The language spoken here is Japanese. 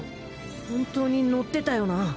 本当に乗ってたよな？